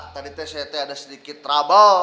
tadi tct ada sedikit trouble